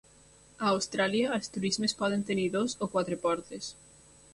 A Austràlia, els turismes poden tenir dues o quatre portes.